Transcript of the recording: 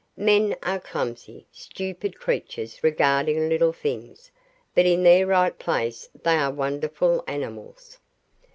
Men are clumsy, stupid creatures regarding little things, but in their right place they are wonderful animals.